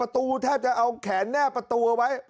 ประตูแทบจะเอาแขนเนียบประตูเอาไว้